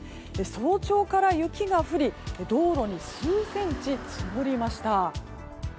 早朝から雪が降り道路に数センチ積もりました。